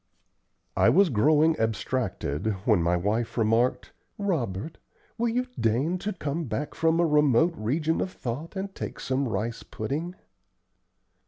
I was growing abstracted, when my wife remarked, "Robert, will you deign to come back from a remote region of thought and take some rice pudding?"